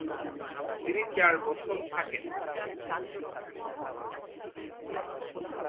তিনি চার বছর থাকেন।